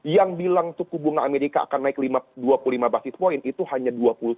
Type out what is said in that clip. yang bilang suku bunga amerika akan naik dua puluh lima basis point itu hanya dua puluh satu